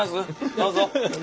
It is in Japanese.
どうぞ。